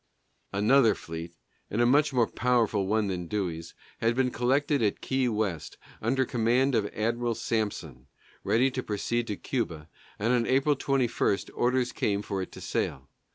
Another fleet, and a much more powerful one than Dewey's, had been collected at Key West, under command of Admiral Sampson, ready to proceed to Cuba, and on April 21 orders came for it to sail.